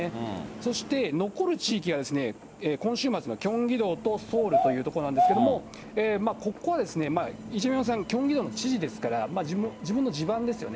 そして残る地域が、今週末のキョンギ道とソウルという所なんですけど、ここはイ・ジェミョンさんはキョンギ道の知事ですから、自分の地盤ですよね。